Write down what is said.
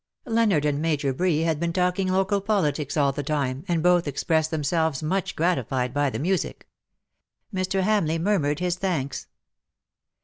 Leonard and Major Bree had been talking local politics all the time, and both expressed themselves much gratified by the music. Mr. Hamleigh murmured his thanks.